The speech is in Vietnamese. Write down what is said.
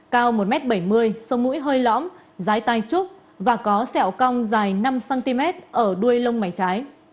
cao một m bảy mươi sống mũi hơi lõm dái tai trúc và có sẹo cong dài năm cm ở đuôi lông mái trái